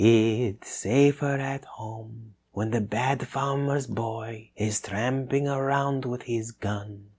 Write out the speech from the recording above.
"It's safer at home when the bad farmer's boy Is tramping around with his gun.